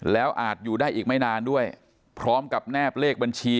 แล้วอาจอยู่ได้อีกไม่นานด้วยพร้อมกับแนบเลขบัญชี